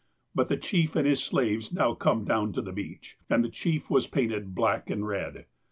But the chief and his slaves now come down to the beach. And the chief was painted black and red.